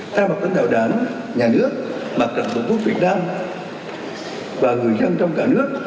theo một tên đạo đảng nhà nước mặt trận của quốc việt nam và người dân trong cả nước